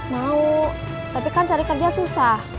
mau tapi kan cari kerja susah